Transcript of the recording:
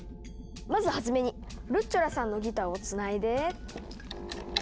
まずはじめにルッチョラさんのギターをつないで。